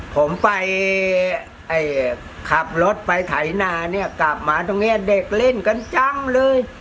ผมไปขับรถไปไถนาเนี่ยกลับมาตรงนี้เด็กเล่นกันจังเลย